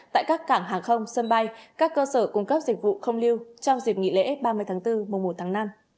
tại các cảng hàng không sân bay các cơ sở cung cấp dịch vụ không lưu trong dịp nghỉ lễ ba mươi tháng bốn mùa một tháng năm